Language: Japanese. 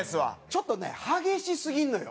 ちょっとね激しすぎんのよ